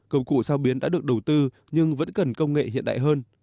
công cụ sao biến đã được đầu tư nhưng vẫn cần công nghệ hiện đại hơn